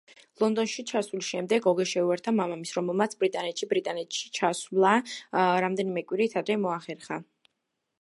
ლონდონში ჩასვლის შემდეგ ოგე შეუერთდა მამამისს, რომელმაც ბრიტანეთში ბრიტანეთში ჩასვლა რამდენიმე კვირით ადრე მოახერხა.